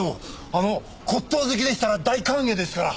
あの骨董好きでしたら大歓迎ですから。